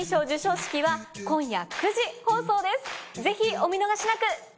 ぜひお見逃しなく！